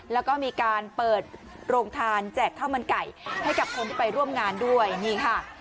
แล้วก็มีการเปิดโรงทานแจกข้าวมันไก่ให้กับคนที่ไปร่วมงานด้วยนี่ค่ะ